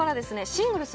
シングルス